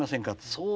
「そう。